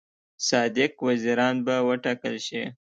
صادق وزیران به وټاکل شي.